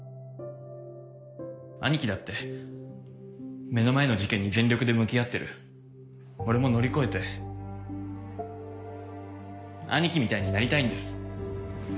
兄貴だって目の前の事件に全力で向き俺も乗り越えて兄貴みたいになりたいんです